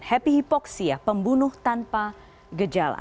happy hypoxia pembunuh tanpa gejala